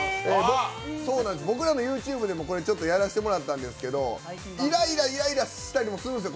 僕らのＹｏｕＴｕｂｅでもこれ、やらせてもらったんですけど、いらいらしたりもするんですよ